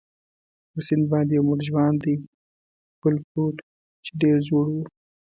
پر سیند باندې یو مړ ژواندی پل پروت وو، چې ډېر زوړ وو.